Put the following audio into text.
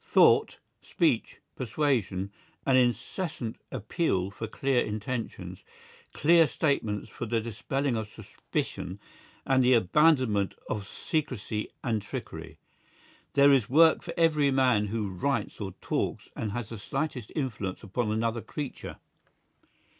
Thought, speech, persuasion, an incessant appeal for clear intentions, clear statements for the dispelling of suspicion and the abandonment of secrecy and trickery; there is work for every man who writes or talks and has the slightest influence upon another creature.